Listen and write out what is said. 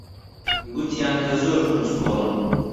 گوتیان کە زۆر کونجکۆڵن.